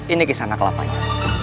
ini kisah anak kelapanya